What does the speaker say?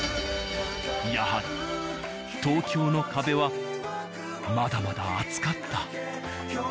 やはり東京の壁はまだまだ厚かった。